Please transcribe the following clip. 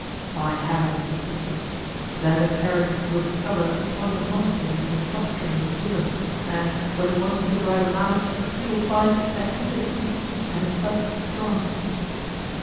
By heaven, he said, then the parent will discover what a monster he has been fostering in his bosom; and, when he wants to drive him out, he will find that he is weak and his son strong.